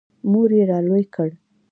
• مور یې را لوی کړ.